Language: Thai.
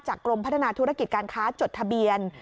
กรมพัฒนาธุรกิจการค้าจดทะเบียน